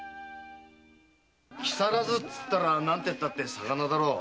木更津ったら何てったって魚だろう。